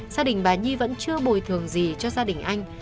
gia đình bà nhi vẫn chưa bồi thường gì cho gia đình anh